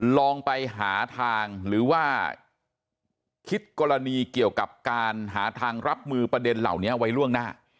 ลองไปหาทางหรือว่าคิดกรณีเกี่ยวกับการหาทางรับมือประเด็นเหล่านี้ไว้ล่วงหน้า